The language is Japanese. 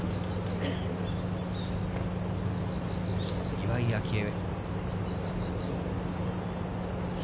岩井明愛。